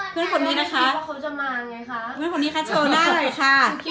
เพื่อนของนี้แคะโชว์หน้าเลยค่ะ